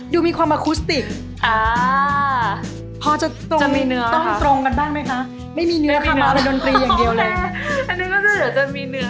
ดูมีความอคุสติกถ้าจะตรงตรงกันต่างไหมคะทันมีเนื้อ